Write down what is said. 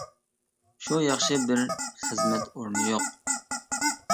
شۇ ياخشى بىر خىزمەت ئورنى يوق.